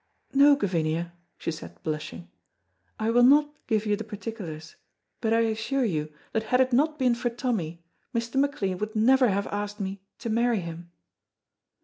"No, Gavinia," she said, blushing, "I will not give you the particulars, but I assure you that had it not been for Tommy, Mr. McLean would never have asked me to marry him."